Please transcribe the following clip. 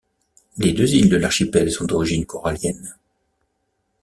Les deux îles de l'archipel sont d'origine coralliennes.